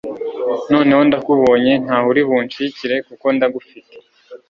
noneho ndakubonye ntaho uri bunshikire kuko ndagufite